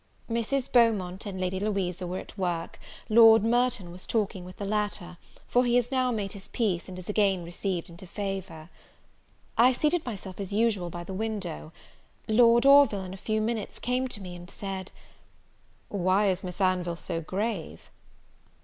Mrs. Beaumont and Lady Louisa were at work: Lord Merton was talking with the latter; for he has now made his peace, and is again received into favour. I seated myself, as usual, by the window. Lord Orville, in a few minutes, came to me, and said, "Why is Miss Anville so grave?"